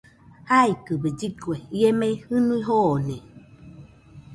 Jaikɨbe lligue, ie mei jɨnui joone.